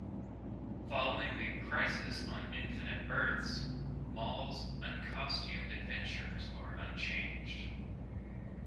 Following the "Crisis on Infinite Earths", Mal's uncostumed adventures are unchanged.